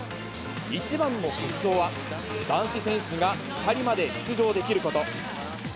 一番の特徴は、男子選手が２人まで出場できること。